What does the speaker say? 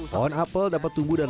kawan apel dapat tumbuh dan